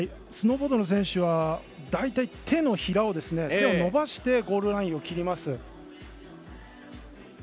スノーボードの選手は大体、手のひらを伸ばしてゴールラインを切ります。